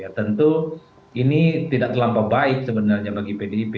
tentu ini tidak terlampau baik sebenarnya bagi pdip